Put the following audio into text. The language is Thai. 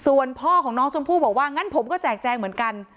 ส่วนพ่อของน้องชมพู่บอกว่างั้นผมก็แจกแจงเหมือนกัน